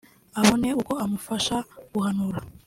abone uko amufasha guhanura